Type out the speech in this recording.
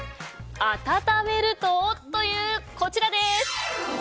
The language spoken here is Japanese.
温めるとというこちらです！